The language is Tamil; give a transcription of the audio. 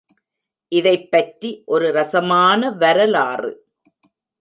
இதைப்பற்றி ஒரு ரஸமான வரலாறு.